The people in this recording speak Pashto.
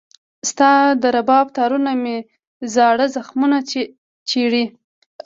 ستا د رباب تارونه مې زاړه زخمونه چېړي